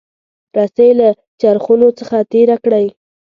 رسۍ له چرخونو څخه تیره کړئ.